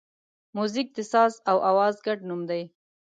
موزیک د ساز او آواز ګډ نوم دی.